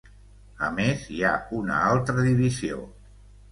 I a més, hi ha una altra divisió.